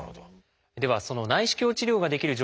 ではその内視鏡治療ができる条件